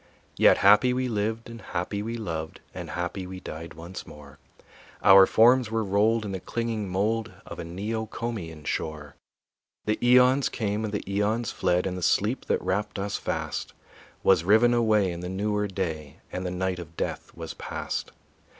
Yet happy we lived and happy we loved, And happy we died once more; Our forms were rolled in the clinging mold Of a Neocomian shore. The eons came and the eons fled And the sleep that wrapped us fast Was riven away in the newer day And the night of death was past.